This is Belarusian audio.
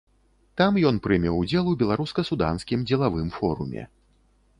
Там ён прыме ўдзел у беларуска-суданскім дзелавым форуме.